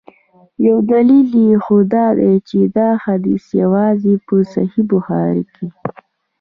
یو دلیل یې خو دا دی چي دا حدیث یوازي په صحیح بخاري کي.